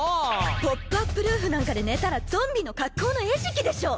ポップアップルーフなんかで寝たらゾンビの格好の餌食でしょ！